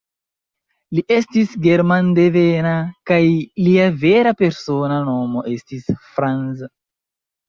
Li estis germandevena, kaj lia vera persona nomo estis "Franz".